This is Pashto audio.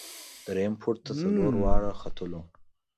درییم پوړ ته څلور واړه ختلو.